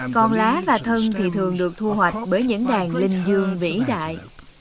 con lá và thân thì thường được thu hoạch bởi những đàn linh dương vĩ đại